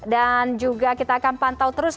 dan juga kita akan pantau terus